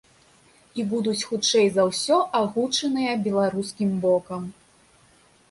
І будуць хутчэй за ўсё агучаныя беларускім бокам.